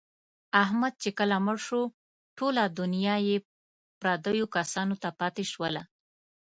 احمد چې کله مړ شو، ټوله دنیا یې پردیو کسانو ته پاتې شوله.